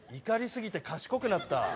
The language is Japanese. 怒りすぎて賢くなった。